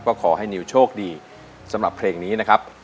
ก็ขอให้นิวโชคดีสำหรับเพลงนี้นะครับ